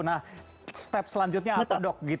nah step selanjutnya apa dok